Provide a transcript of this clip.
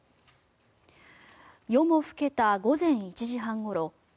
夜も更けた午前１時半ごろ